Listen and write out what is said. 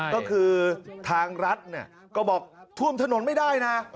ก็คือทางรัฐก็บอกท่วมถนนไม่ได้นะ